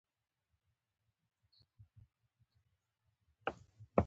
تاسې په بازار کې اوسئ.